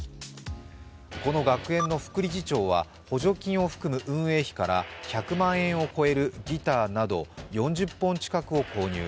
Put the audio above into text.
この学園の副理事長は補助金を含む運営費から１００万円を超えるギターなど４０本近くを購入。